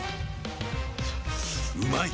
うまい！